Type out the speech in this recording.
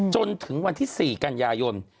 จนถึงวันที่๔กันยายน